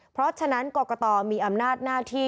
เพราะฉะนั้นกรกตมีอำนาจหน้าที่